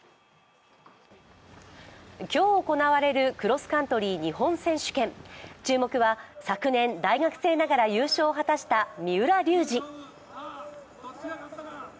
今日行われるクロスカントリー日本選手権注目は昨年、大学生ながら優勝を果たした三浦龍司。